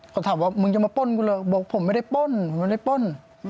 เขาถามว่ามึงจะมาป้นกูเลยบอกผมไม่ได้ป้นผมไม่ได้ป้น